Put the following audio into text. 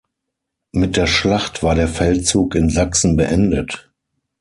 Mit der Schlacht war der Feldzug in Sachsen beendet.